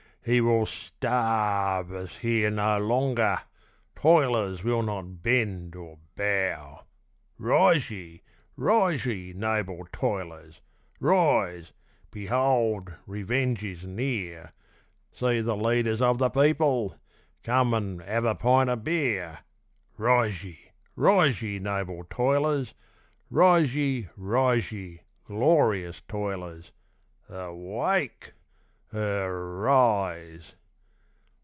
He will sta a rve us here no longer! toilers will not bend or bow! Rise ye! rise ye! noble toilers! rise! behold, revenge is near; See the leaders of the people! come an' 'ave a pint o' beer! Rise ye! rise ye! noble toilers! Rise ye! rise ye! glorious toilers! Erwake! er rise!